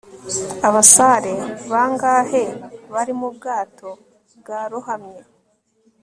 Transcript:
Abasare bangahe bari mu bwato bwarohamye